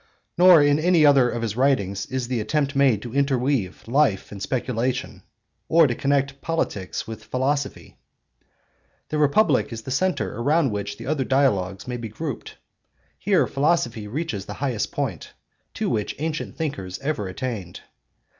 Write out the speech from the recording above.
Nor in any other of his writings is the attempt made to interweave life and speculation, or to connect politics with philosophy. The Republic is the centre around which the other Dialogues may be grouped; here philosophy reaches the highest point (cp, especially in Books V, VI, VII) to which ancient thinkers ever attained.